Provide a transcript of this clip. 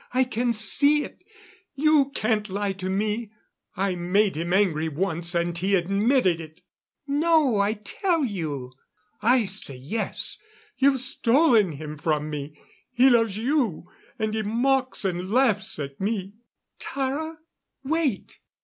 I can see it. You can't lie to me! I made him angry once and he admitted it." "No, I tell you!" "I say yes. You've stolen him from me. He loves you and he mocks and laughs at me " "Tara, wait.